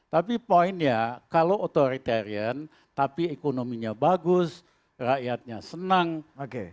tapi poinnya kalau authoritarian tapi ekonominya bagus rakyatnya senang